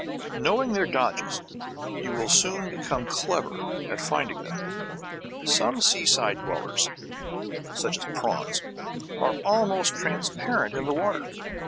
Knowing their dodges, you will soon become clever at finding them. Some seaside dwellers, such as prawns, are almost transparent in the water.